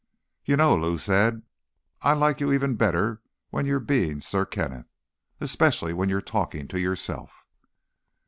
"You know," Lou said, "I like you even better when you're being Sir Kenneth. Especially when you're talking to yourself."